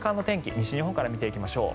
西日本から見ていきましょう。